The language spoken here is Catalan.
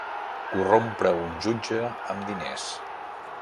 Corrompre un jutge amb diners.